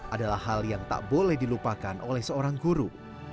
adalah hal yang tak boleh dilupakan oleh seorang guru